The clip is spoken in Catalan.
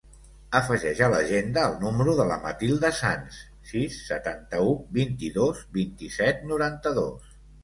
Afegeix a l'agenda el número de la Matilda Sans: sis, setanta-u, vint-i-dos, vint-i-set, noranta-dos.